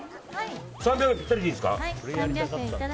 ３００円ピッタリでいいですか。